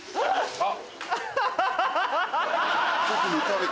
あっ！